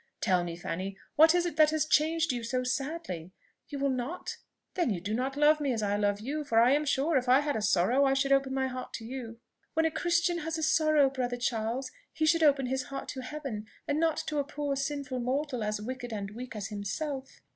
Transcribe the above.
Tell me, Fanny, what is it that has changed you so sadly? You will not? Then you do not love me as I love you; for I am sure if I had a sorrow I should open my heart to you." "When a Christian has a sorrow, brother Charles, he should open his heart to Heaven and not to a poor sinful mortal as wicked and as weak as himself."